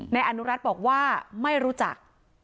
นายอนุรัติบอกว่าไม่รู้จัก